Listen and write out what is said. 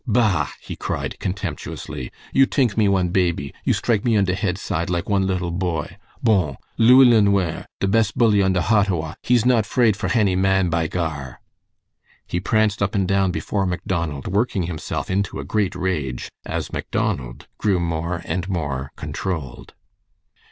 "Bah!" he cried, contemptuously, "you tink me one baby, you strike me on de head side like one little boy. Bon! Louis LeNware, de bes bully on de Hottawa, he's not 'fraid for hany man, by Gar!" He pranced up and down before Macdonald, working himself into a great rage, as Macdonald grew more and more controlled.